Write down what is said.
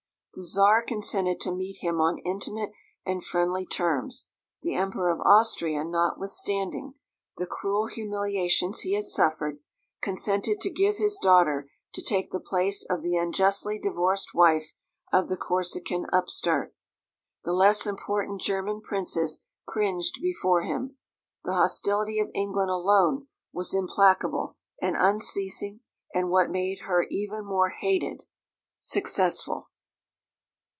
The Czar consented to meet him on intimate and friendly terms; the Emperor of Austria, notwithstanding the cruel humiliations he had suffered, consented to give his daughter to take the place of the unjustly divorced wife of the Corsican upstart; the less important German princes cringed before him. The hostility of England alone was implacable and unceasing, and what made her even more hated, successful.